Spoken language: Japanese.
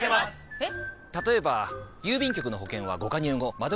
えっ！